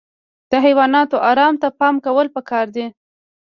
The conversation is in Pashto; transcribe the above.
د حیواناتو ارام ته پام کول پکار دي.